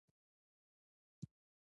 د ساغر ولسوالۍ لیرې ده